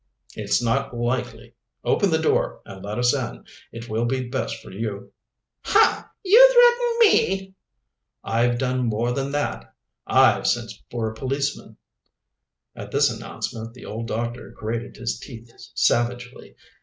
"It's not likely. Open the door and let us in it will be best for you." "Ha, you threaten me!" "I've done more than that I've sent for a policeman." At this announcement the old doctor grated his teeth savagely.